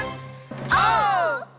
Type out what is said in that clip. オー！